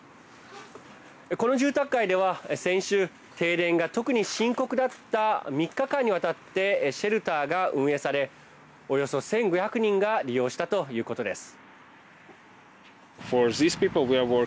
この住宅街では先週停電が特に深刻だった３日間にわたってシェルターが運営されおよそ１５００人が利用したということです。